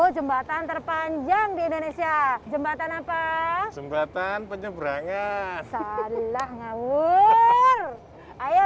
jembatan terpanjang di indonesia jembatan apa jembatan penyeberangan sarillah ngawur ayo